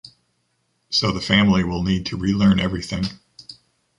So the family will need to relearn everything.